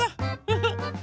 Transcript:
フフ。